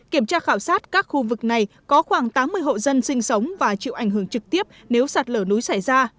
kiểm tra khảo sát các khu vực này có khoảng tám mươi hộ dân sinh sống và chịu ảnh hưởng trực tiếp nếu sạt lở núi xảy ra